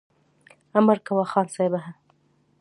امر کوه خان صاحبه !